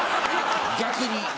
逆に。